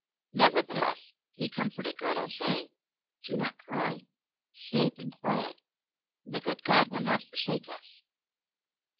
Nevertheless he comforted Grethel, saying, "Do not cry; sleep in quiet; the good God will not forsake us."